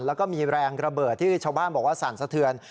แล้วก็มีแรงระเบิดที่ชาวบ้านบอกว่าสั่นสะเทือน